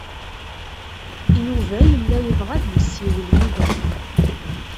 Yuba yella yebɣa ad yessiwel yid-m.